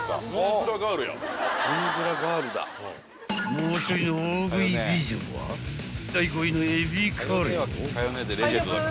［もう一人の大食い美女は第５位のエビカレーを］